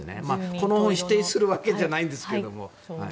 この本を否定するわけじゃないんですけれども。